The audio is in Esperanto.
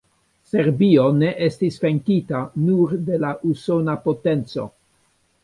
Serbio ne estis venkita nur de la usona potenco.